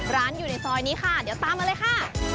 ร้านอยู่ในซอยนี้ค่ะเดี๋ยวตามมาเลยค่ะ